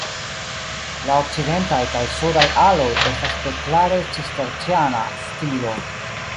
La okcidentaj kaj sudaj aloj estas de klare cisterciana stilo.